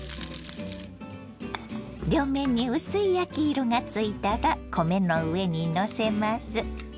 両面に薄い焼き色がついたら米の上にのせます。